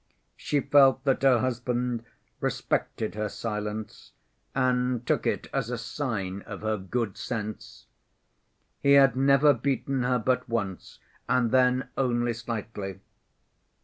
She felt that her husband respected her silence, and took it as a sign of her good sense. He had never beaten her but once, and then only slightly.